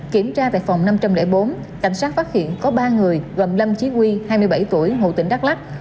khi kiểm tra tại phòng năm trăm linh bốn cảnh sát phát hiện có ba người gồm lâm chí huy hai mươi bảy tuổi hồ tỉnh đắk lắc